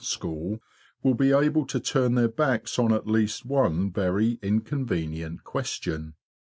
school will be able to turn their backs on at least one very inconvenient question.